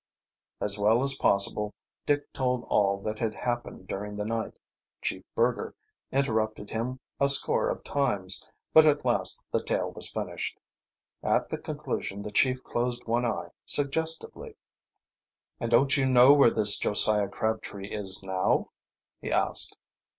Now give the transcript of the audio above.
As well as possible Dick told all that had happened during the night. Chief Burger interrupted him a score of times, but at last the tale was finished. At the conclusion the chief closed one eye suggestively. "And don't you know where this Josiah Crabtree is now?" he asked.